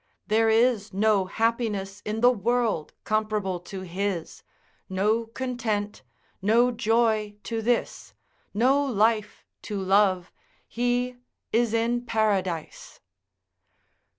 There is no happiness in the world comparable to his, no content, no joy to this, no life to love, he is in paradise.